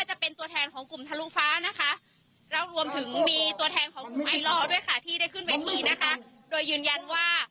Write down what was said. จะยกมือโบสถ์ให้คนเอกประยุทธ์ได้อยู่ต่อนะคะ